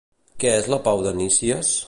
Què és la pau de Nícies?